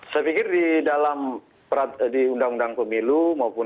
saya pikir di dalam di undang undang pemilu